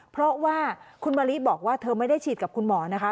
เพราะว่าคุณมะลิบอกว่าเธอไม่ได้ฉีดกับคุณหมอนะคะ